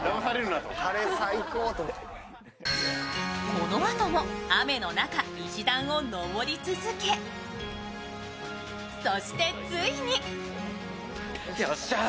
このあとは雨の中石段を上り続け、そしてついによっしゃー！